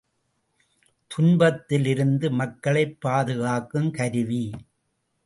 துன்பத்திலிருந்து மக்களைப் பாதுகாக்கும் கருவி.